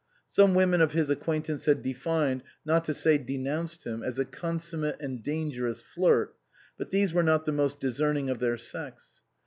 Some women of his acquaintance had defined, not to say denounced him as a con summate and dangerous flirt, but these were not the most discerning of their sex.